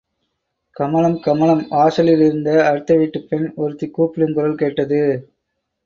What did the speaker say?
கமலம்..., கமலம்... வாசலில் இருந்த அடுத்த வீட்டுப் பெண் ஒருத்திக் கூப்பிடும் குரல் கேட்டது.